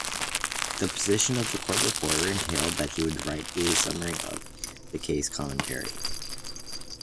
The position of court reporter entailed that he write a summary-of-the-case commentary.